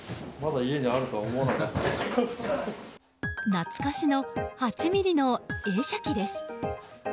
懐かしの８ミリの映写機です。